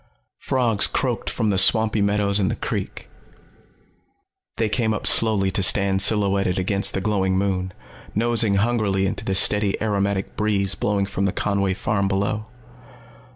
Frogs croaked from the swampy meadows and the creek. They came up slowly to stand silhouetted against the glowing moon, nosing hungrily into the steady, aromatic breeze blowing from the Conway farm below.